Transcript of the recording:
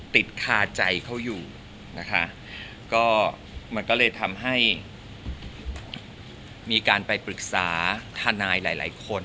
ติดคาใจเขาอยู่นะคะก็มันก็เลยทำให้มีการไปปรึกษาทนายหลายหลายคน